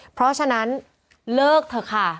เพราะฉะนั้นเลิกเถอะค่ะ